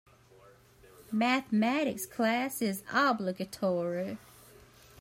Mathematics class is obligatory.